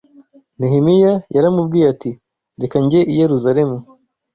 Nehemiya yaramubwiye ati reka njye i Yerusalemu